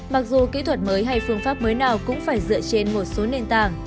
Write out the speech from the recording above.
mặc dù kỹ thuật mới hay phương pháp mới nào cũng phải dựa trên một số nền tảng